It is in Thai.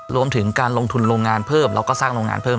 รวมถึงการลงทุนโรงงานเพิ่มแล้วก็สร้างโรงงานเพิ่ม